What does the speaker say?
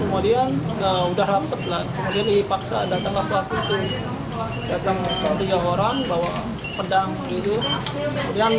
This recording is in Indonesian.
kemudian dipaksa datang ke pelaku itu datang tiga orang bawa pedang dulu